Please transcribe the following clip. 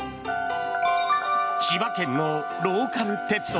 千葉県のローカル鉄道